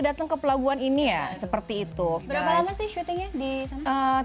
datang ke pelabuhan ini ya seperti itu berapa lama sih syutingnya di